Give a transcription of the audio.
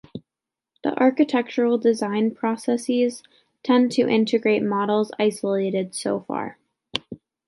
The architectural design processes tend to integrate models isolated so far.